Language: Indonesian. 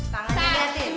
satu dua tiga kaki kurang